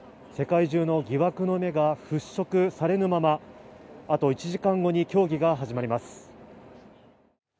世界中の疑惑の目が払拭されぬままあと１時間後に競技が始まります。